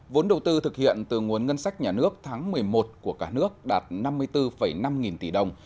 vốn đầu tư thực hiện từ nguồn ngân sách nhà nước tháng một mươi một của cả nước đạt năm mươi bốn năm nghìn tỷ đồng